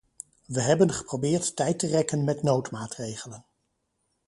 We hebben geprobeerd tijd te rekken met noodmaatregelen.